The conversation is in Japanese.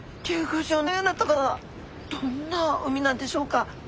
どんな海なんでしょうか？